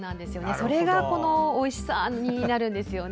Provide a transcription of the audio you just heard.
それが、このおいしさになるんですね。